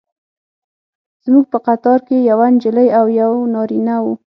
زموږ په قطار کې یوه نجلۍ او یو نارینه و.